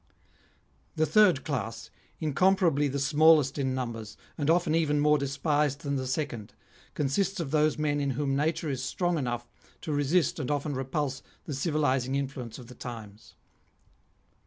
The third class, incomparably the smallest in numbers, and often even more despised than the second, consists of those men in whom nature is strong enough to resist and often repulse the civilising influence of the times.